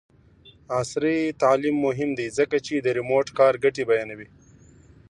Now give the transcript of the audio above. عصري تعلیم مهم دی ځکه چې د ریموټ کار ګټې بیانوي.